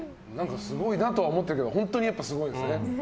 すごいなと思ってたけど本当にすごいんだね。